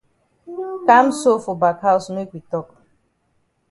Kam so for back haus make we tok.